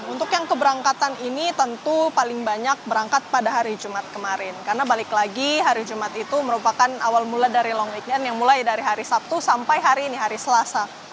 untuk yang keberangkatan ini tentu paling banyak berangkat pada hari jumat kemarin karena balik lagi hari jumat itu merupakan awal mula dari long weekend yang mulai dari hari sabtu sampai hari ini hari selasa